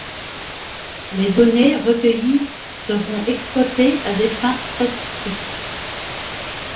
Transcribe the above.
Les données recueillies seront exploitées à des fins statistiques.